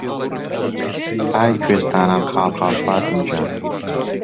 ئای کوێستانان خاڵ خاڵ فاتم گیان